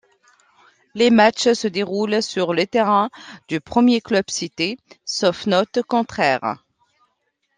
Les matchs se déroulent sur le terrain du premier club cité, sauf note contraire.